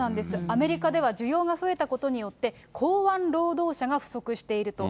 アメリカでは需要が増えたことによって、港湾労働者が不足していると。